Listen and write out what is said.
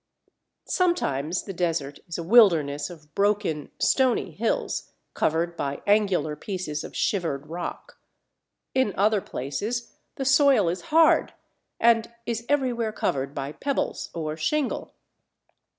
Sometimes the desert is a wilderness of broken, stony hills covered by angular pieces of shivered rock. In other places the soil is hard, and is everywhere covered by pebbles or shingle.